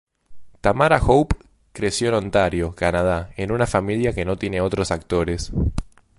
Tamara Hope creció en Ontario, Canadá, en una familia que no tiene otros actores.